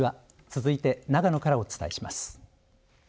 続いて長野からお伝えします。